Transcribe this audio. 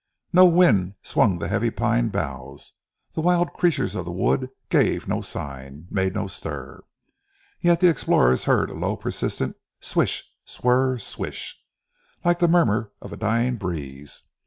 No wind swung the heavy pine boughs; the wild creatures of the wood gave no sign, made no stir: yet the explorers heard a low persistent swish swurr swish, like the murmur of a dying breeze.